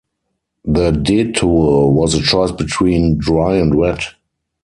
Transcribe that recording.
The Detour was a choice between Dry and Wet.